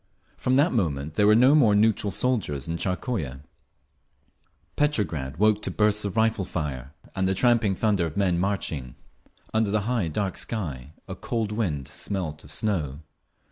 From that moment there were no more "neutral" soldiers in Tsarskoye…. Petrograd woke to bursts of rifle fire, and the tramping thunder of men marching. Under the high dark sky a cold wind smelt of snow.